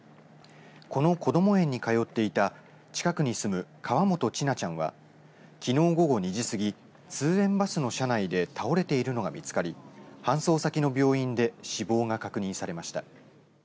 この、こども園に通っていた近くに住む、河本千奈ちゃんはきのう午後２時過ぎ通園バスの車内で倒れているのが見つかり搬送先の病院で死亡が確認されました。